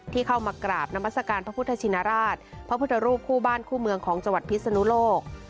เข้ามากราบนามัศกาลพระพุทธชินราชพระพุทธรูปคู่บ้านคู่เมืองของจังหวัดพิศนุโลก